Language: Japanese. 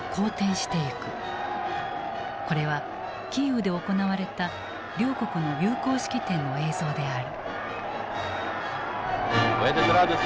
これはキーウで行われた両国の友好式典の映像である。